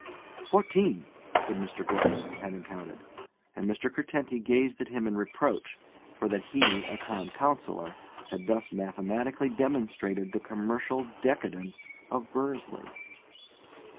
'Fourteen,' said Mr. Gordon, having counted; and Mr. Curtenty gazed at him in reproach, for that he, a Town Councillor, had thus mathematically demonstrated the commercial decadence of Bursley.